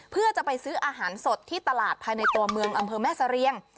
เพื่อจะไปซื้ออาหารสดที่ตลาดภายในตัวเมืองอำเภอแม่เสรียง